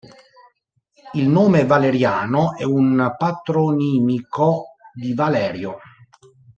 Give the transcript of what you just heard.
Il nome Valeriano è un patronimico di Valerio.